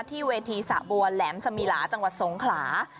ที่เวทีสะบัวแหลมสมีหลาจังหวัดสงขลา